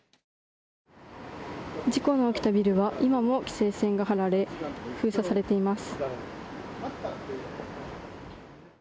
事故が起きたビルは今も規制線が張られ封鎖されています。